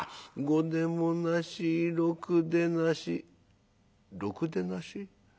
五でもなし六でなし「六でなし？